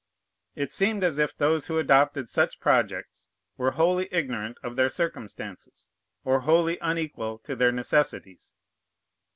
It seemed as if those who adopted such projects were wholly ignorant of their circumstances, or wholly unequal to their necessities.